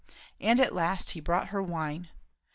And at last he brought her wine.